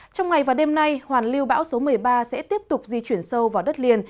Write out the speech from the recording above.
trong ngày và đêm nay hoàn lưu bão số một mươi ba sẽ tiếp tục di chuyển sâu vào đất liền